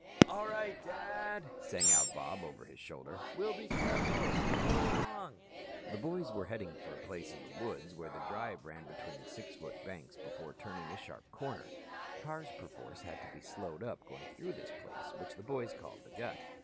"All right, Dad," sang out Bob over his shoulder. "We'll be careful. Follow along." The boys were heading for a place in the woods where the drive ran between six foot banks before turning a sharp corner. Cars perforce had to be slowed up going through this place which the boys called the Gut.